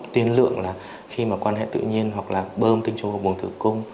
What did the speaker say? tuyên lượng là khi mà quan hệ tự nhiên hoặc là bơm tình trùng vào buồng thử cung